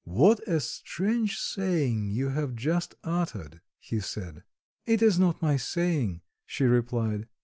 "What a strange saying you have just uttered!" he said. "It is not my saying," she replied.